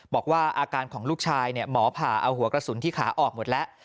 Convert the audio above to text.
บอกว่าอาการของลูกชายหมอผ่าเอาหัวกระสุนที่ขาออกหมดแล้ว